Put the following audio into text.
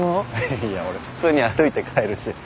いや俺普通に歩いて帰るし。